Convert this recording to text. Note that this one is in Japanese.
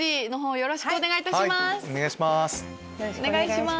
よろしくお願いします。